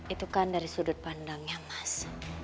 itu kan dari sudut pandangnya mas